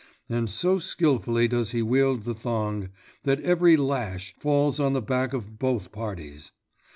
And so skilfully does he wield the thong, that every lash falls on the back of both parties.